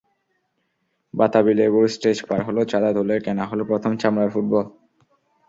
বাতাবিলেবুর stage পার হলো, চাঁদা তুলে কেনা হলো প্রথম চামড়ার ফুটবল।